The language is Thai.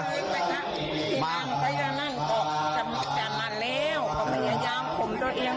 ต่อไปอย่ายามผมตัวเอง